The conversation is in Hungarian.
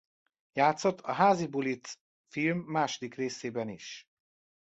Játszott a Házibuli c. film második részében is.